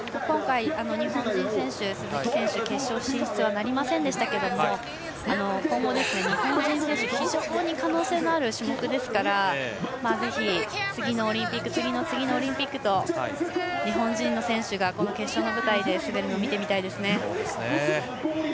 今回、日本人選手の鈴木選手決勝進出はなりませんでしたけど今後、日本人選手非常に可能性のある種目ですからぜひ、次のオリンピック次の次のオリンピックと日本人の選手が決勝の舞台で滑るのを見てみたいですね。